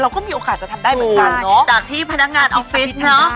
ก็มีโอกาสจะทำได้เหมือนกันเนอะจากที่พนักงานออฟฟิศเนอะ